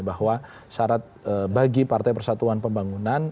bahwa syarat bagi partai persatuan pembangunan